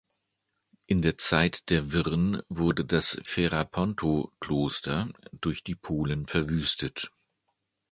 In der Zeit der Wirren wurde das Ferapontow-Kloster durch die Polen verwüstet.